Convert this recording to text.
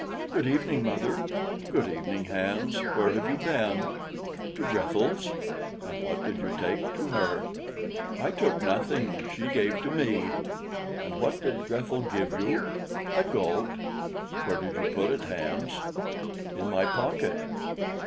"Good evening, mother." "Good evening, Hans. Where have you been?" "To Grethel's." "And what did you take to her?" "I took nothing; she gave to me." "And what did Grethel give you?" "A goat." "Where did you put it, Hans?" "In my pocket."